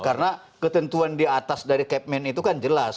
karena ketentuan di atas dari capman itu kan jelas